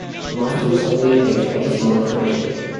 Monti was only to play twice more for Italy.